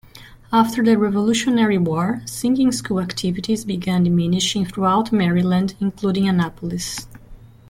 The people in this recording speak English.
After the Revolutionary War, singing school activities began diminishing throughout Maryland, including Annapolis.